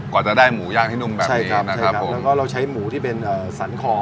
กว่าจะได้หมูย่างที่นุ่มแบบนี้นะครับผมแล้วก็เราใช้หมูที่เป็นสันคอ